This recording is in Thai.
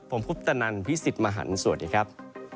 ผมพุทธนันท์พิสิทธิ์มหันต์สวัสดีครับ